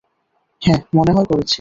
হ্যাঁ, মনে হয় করেছি।